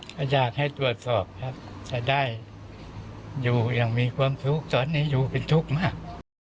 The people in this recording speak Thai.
ก็อยากให้ตรวจสอบครับจะได้อยู่อย่างมีความทุกข์ตอนนี้อยู่เป็นทุกข์มาก